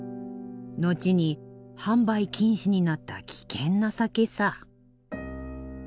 後に販売禁止になった危険な酒さ。